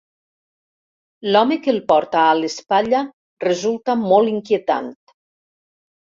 L'home que el porta a l'espatlla resulta molt inquietant.